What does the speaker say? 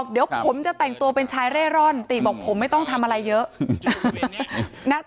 เดี๋ยวผมจะแต่งตัวเป็นชายเร่ร่อนติบอกผมไม่ต้องทำอะไรเยอะ